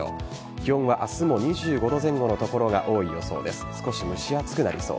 気温は明日も２５度前後の所が多いでしょう。